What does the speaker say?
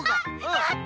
やった！